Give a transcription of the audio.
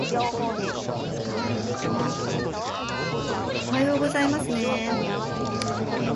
おはようございますねー